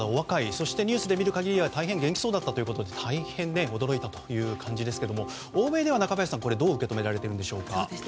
そしてニュースで見る限りは元気そうだったということで大変に驚いたという感じですが欧米ではどう受け止められていますか。